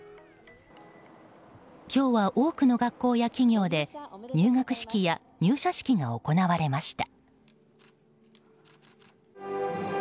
今日は多くの学校や企業で入学式や入社式が行われました。